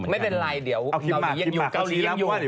ไม่เป็นไรเดี๋ยวเราหนียังอยู่